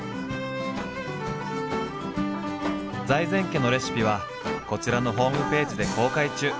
財前家のレシピはこちらのホームページで公開中。